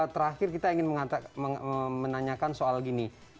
terakhir kita ingin menanyakan soal gini